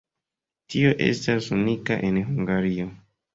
Tio estas unika en Hungario.